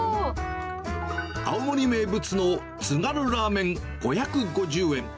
青森名物の津軽ラーメン５５０円。